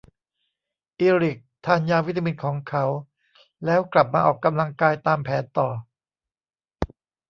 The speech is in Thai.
อีริคทานยาวิตามินของเขา แล้วกลับมาออกกำลังกายตามแผนต่อ